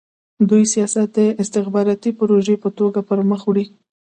دوی سیاست د استخباراتي پروژې په توګه پرمخ وړي.